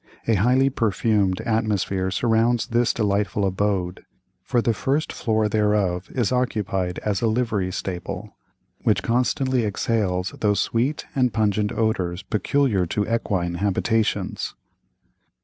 A highly perfumed atmosphere surrounds this delightful abode, for the first floor thereof is occupied as a livery stable, which constantly exhales those sweet and pungent odors peculiar to equine habitations.